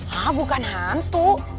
hah bukan hantu